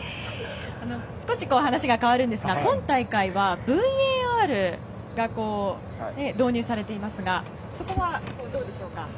少し話が変わりますが今大会はＶＡＲが導入されていますがそこはどうでしょうか。